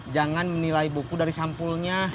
jangan menilai buku dari sampulnya